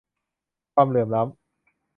ความเหลื่อมล้ำ